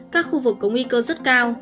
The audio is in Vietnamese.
các khu vực có nguy cơ rất cao